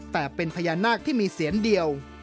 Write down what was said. แต่เป็นพญานาคที่มีเสียนเดียว